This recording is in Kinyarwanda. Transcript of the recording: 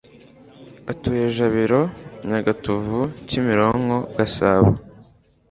utuye jabiro nyagatovu kimironko gasabo